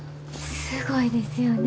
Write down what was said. すごいですよね。